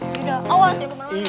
iya awas jangan kemana mana